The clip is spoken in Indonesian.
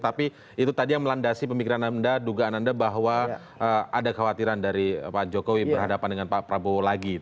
tapi itu tadi yang melandasi pemikiran anda dugaan anda bahwa ada khawatiran dari pak jokowi berhadapan dengan pak prabowo lagi